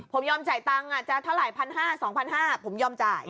ผมยอมจ่ายตังค์จะเท่าไหร่๑๕๐๐๒๕๐๐บาทผมยอมจ่าย